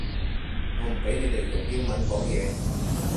我唔畀你哋用英文講嘢